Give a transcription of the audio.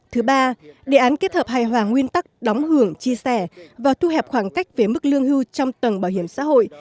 thứ ba đề án kết hợp hài hòa nguyên tắc đóng hưởng chia sẻ và thu hẹp khoảng cách về mức lương hưu trong tầng bảo hiểm xã hội